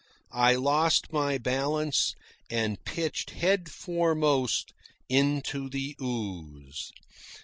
I lost my balance and pitched head foremost into the ooze.